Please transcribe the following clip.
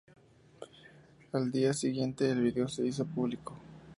Al día siguiente el video se hizo público.